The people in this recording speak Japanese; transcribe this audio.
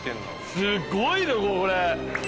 すごい量これ。